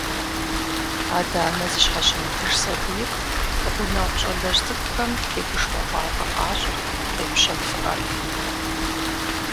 Адэ-анэ зыщхьэщымытыж сэбийр, гъунэгъу щалэжь цӏыкӏухэм тегушхуэгъуафӏэ къащӏырт, къепщэфыӏэрт.